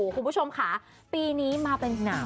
คุณผู้ชมค่ะปีนี้มาเป็นหนาว